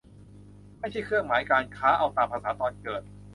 ไม่ใช่เครื่องหมายการค้า เอาตามภาษาตอนเกิด